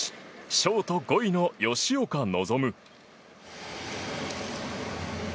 ショート５位の吉岡希。